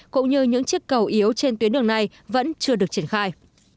cũng như những chiếc cầu yếu trên tuyến đường này vẫn chưa được triển khai